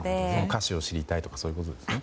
歌詞を知りたいとかそういうことですね？